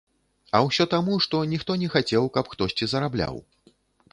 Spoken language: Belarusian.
А ўсё таму, што ніхто не хацеў, каб хтосьці зарабляў.